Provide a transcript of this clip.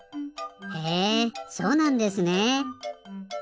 へえそうなんですねえ。